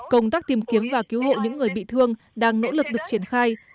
công tác tìm kiếm và cứu hộ những người bị thương đang nỗ lực được triển khai